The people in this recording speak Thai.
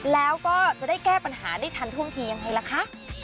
แล้วก็จะได้แก้ปัญหาได้ทันท่วงทียังไงล่ะคะ